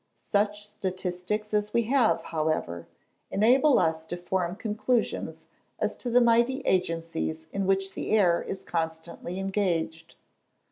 Such statistics as we have, however, enable us to form conclusions as to the mighty agencies in which the air is constantly engaged.